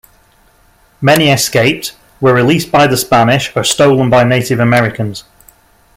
Many escaped, were released by the Spanish or stolen by Native Americans.